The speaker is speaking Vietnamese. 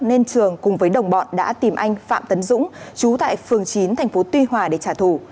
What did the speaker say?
nên trường cùng với đồng bọn đã tìm anh phạm tấn dũng chú tại phường chín tp tuy hòa để trả thù